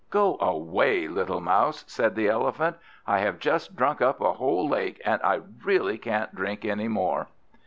"Go away, little Mouse," said the Elephant; "I have just drunk up a whole lake, and I really can't drink any more."